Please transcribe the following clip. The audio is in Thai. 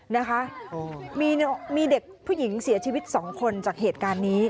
นะคะมีเด็กผู้หญิงเสียชีวิตสองคนจากเหตุการณ์นี้